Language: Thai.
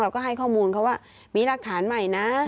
เราก็ให้ข้อมูลเพราะว่ามีรักฐานใหม่นะ